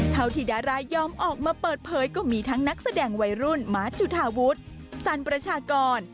เท่าที่ดารายอมออกมาเปิดเผยก็มีทั้งนักแสดงวัยรุ่นมาร์ทจุธาวุฒิสันประชากร